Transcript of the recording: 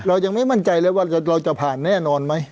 เรายังไม่มั่นใจเลยว่าเราจะผ่านแน่นอนไหม